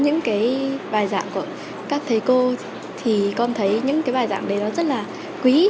những cái bài giảng của các thầy cô thì con thấy những cái bài giảng đấy nó rất là quý